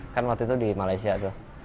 kan waktu itu di malaysia tuh